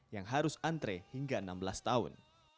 yang harus antre hingga enam belas tahun